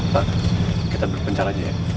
pak kita berpencar aja ya